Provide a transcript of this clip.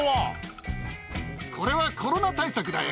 これはコロナ対策だよ。